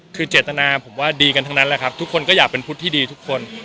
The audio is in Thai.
คือเจตนาผมว่าดีกันทั้งนั้นแหละครับทุกคนก็อยากเป็นพุทธที่ดีทุกคน